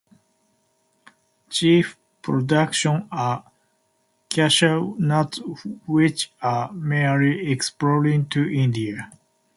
Chief production are cashew nuts which are mainly exported to India.